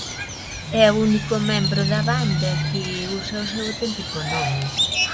É o único membro da banda que usa o seu auténtico nome.